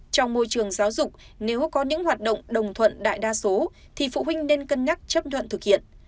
trong môi trường giáo dục nếu có những hoạt động đồng thuận đại đa số thì phụ huynh nên cân nhắc chấp thuận thực hiện